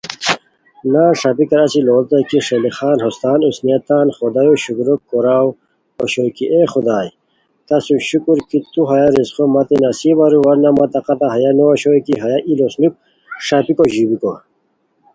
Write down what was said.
نان ݰاپیکار اچی لوڑیتائے کی ݰیلی خان ہوستان اوسنئے تان خدایو شکرو کوراؤ اوشوئے کی "اے خدائے تہ سُم شکر کی تو ہیہ رزقو متین نصیب ارو ورنہ مہ طاقتہ ہیہ نو اوشوئے کی ہیہ ای لوسنوک ݰاپیکو ژیبیکو"